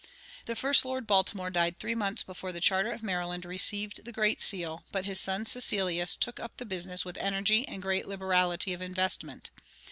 The first Lord Baltimore died three months before the charter of Maryland received the great seal, but his son Cecilius took up the business with energy and great liberality of investment.